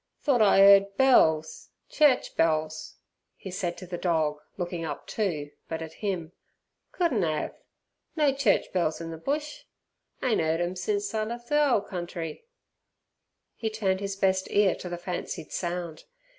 "Thort I 'eard bells church bells," he said to the dog looking up too, but at him. "Couldn't 'ave. No church bells in the bush. Ain't 'eard 'em since I lef' th' ole country." He turned his best ear to the fancied sound.